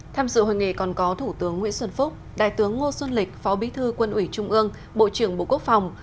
tham dự hội nghị còn có thủ tướng nguyễn xuân phúc đại tướng ngô xuân lịch phó bí thư quân ủy trung ương bộ trưởng bộ quốc phòng